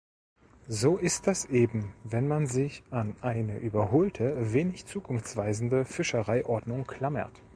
So ist das eben, wenn man sich an eine überholte, wenig zukunftsweisende Fischereiordnung klammert.